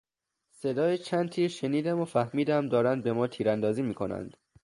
صدای چند تیر شنیدم و فهمیدم دارند به ما تیراندازی میکنند.